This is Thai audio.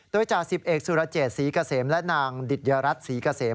โดยจ่าสิบเอกสุรเจษศรีเกษมและนางดิตยรัฐศรีเกษม